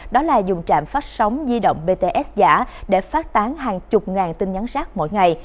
đó là dùng trạm phát sóng di động bts giả để phát tán hàng chục ngàn tin nhắn rác mỗi ngày